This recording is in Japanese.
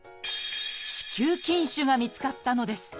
「子宮筋腫」が見つかったのです。